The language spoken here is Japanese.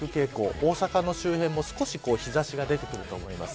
大阪の周辺も少し日差しが出てくると思います。